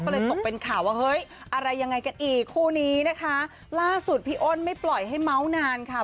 ก็เลยตกเป็นข่าวว่าเฮ้ยอะไรยังไงกันอีกคู่นี้นะคะล่าสุดพี่อ้นไม่ปล่อยให้เมาส์นานค่ะ